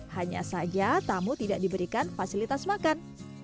hanya saja tamu tidak diberikan fasilitas makan